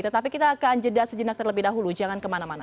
tetapi kita akan jeda sejenak terlebih dahulu jangan kemana mana